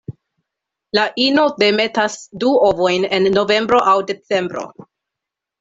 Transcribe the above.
La ino demetas du ovojn en novembro aŭ decembro.